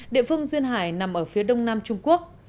địa phương duyên hải nằm ở phía đông nam trung quốc